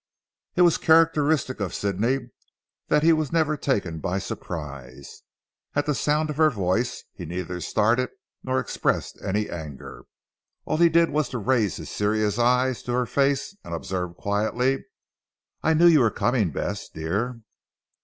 It was characteristic of Sidney that he was never taken by surprise. At the sound of her voice he neither started nor expressed any anger. All he did was to raise his serious eyes to her face, and observe quietly, "I knew you were coming, Bess dear."